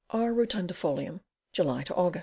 R. rotundifolium. July Aug.